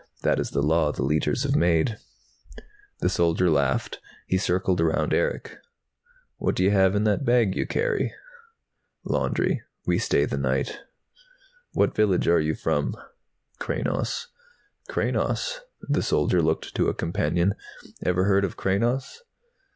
"That is the Law the Leiters have made." The soldier laughed. He circled around Erick. "What do you have in that bag you carry?" "Laundry. We stay the night." "What village are you from?" "Kranos." "Kranos?" The soldier looked to a companion. "Ever heard of Kranos?"